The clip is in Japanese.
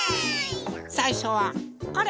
さいしょはこれ。